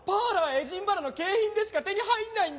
エジンバラの景品でしか手に入らないんだよ！